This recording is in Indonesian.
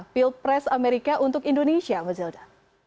pilpres amerika untuk indonesia mas zelda